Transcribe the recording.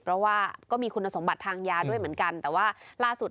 เพราะว่าก็มีคุณสมบัติทางยาด้วยเหมือนกันแต่ว่าล่าสุด